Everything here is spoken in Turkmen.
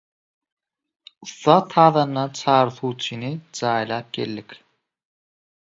Ussat sazanda Çary suwçyny jaýlap geldik.